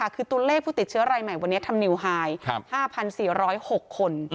คือตัวเลขผู้ติดเชื้อรายใหม่วันนี้ทำนิวไฮ๕๔๐๖คน